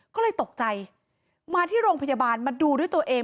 ก็เลยตกใจมาที่โรงพยาบาลมาดูด้วยตัวเอง